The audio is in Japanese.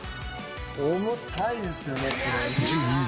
重たいんですよねこれ。